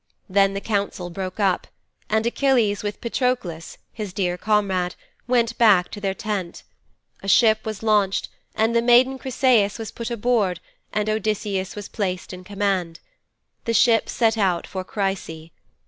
"' 'Then the council broke up and Achilles with Patroklos, his dear comrade, went back to their tent. A ship was launched and the maiden Chryseis was put aboard and Odysseus was placed in command. The ship set out for Chryse.